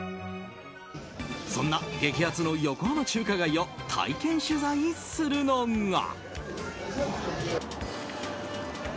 そんな激アツの横浜中華街を体験取材するのが。